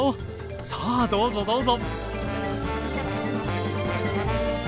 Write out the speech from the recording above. さあどうぞどうぞ。